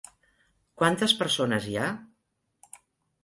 Quantes persones hi ha?